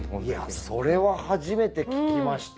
いやそれは初めて聞きました。